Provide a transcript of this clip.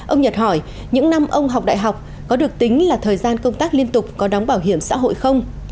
ông nhật hỏi những năm ông học đại học có được tính là thời gian công tác liên tục có đóng bảo hiểm xã hội không